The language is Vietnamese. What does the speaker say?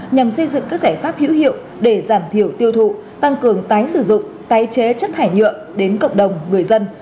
nhằm xây dựng các giải pháp hữu hiệu để giảm thiểu tiêu thụ tăng cường tái sử dụng tái chế chất thải nhựa đến cộng đồng người dân